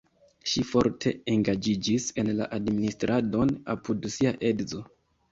Ŝi forte engaĝiĝis en la administradon apud sia edzo.